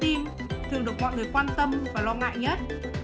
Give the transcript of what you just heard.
tác dụng phụ trên tim thường được mọi người quan tâm và lo ngại nhất